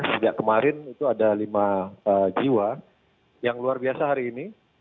sejak kemarin itu ada lima jiwa yang luar biasa hari ini